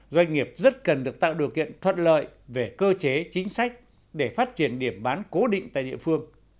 doanh nghiệp rất cần được tạo điều kiện thuận lợi về cơ chế chính sách để phát triển điểm bán cố định tại địa phương